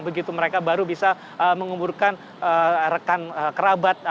begitu mereka baru bisa menguburkan rekan kerabat